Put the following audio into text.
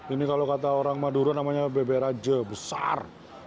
ini kalau kata orang madura namanya bebek raja besar